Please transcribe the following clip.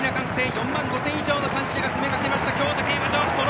４万５０００以上の観客が詰めかけました。